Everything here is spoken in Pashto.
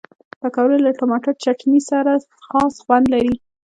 پکورې له ټماټر چټني سره خاص خوند لري